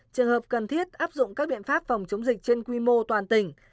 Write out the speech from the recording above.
trường hợp cần thiết áp dụng các biện pháp phòng chống dịch trên quy mô toàn tỉnh